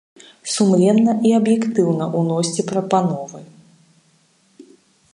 Сумленна і аб'ектыўна ўносьце прапановы.